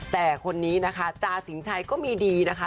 แต่คนนี้นะคะจาสินชัยก็มีดีนะคะ